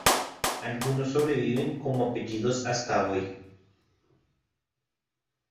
Algunos sobreviven como apellidos hasta hoy.